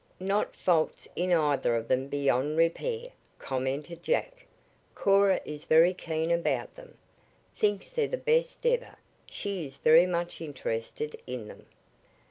"Not faults in either of them beyond repair," commented Jack. "Cora is very keen about them. Thinks they're the best ever. She is very much interested in them."